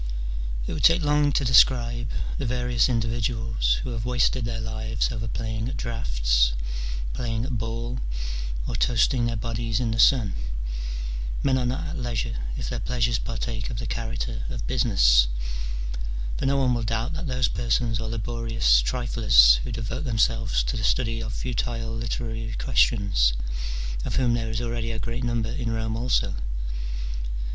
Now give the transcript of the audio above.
It would take long to describe the various indi viduals who have wasted their lives over playing at draughts, playing at ball, or toasting their bodies in the sun : men are not at leisure if their pleasures partake of the character of business, for no one will doubt that those persons are laborious triflers who devote themselves to the study of futile literary questions, of whom there is already a great number in Rome also.